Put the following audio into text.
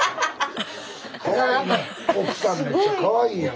かわいいね。